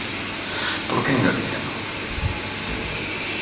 ¿Por que en Galicia non?